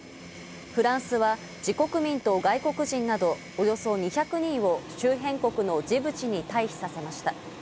フランスは自国民と外国人など、およそ２００人を周辺国のジブチに退避させました。